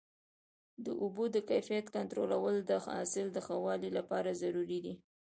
د اوبو د کیفیت کنټرول د حاصل د ښه والي لپاره ضروري دی.